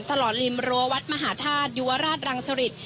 ตลอดริมรัววัฒน์มหาธาตุยัวราชรังสฤษ